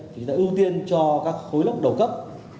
thì đã ưu tiên cho các khối lớp đầu cấp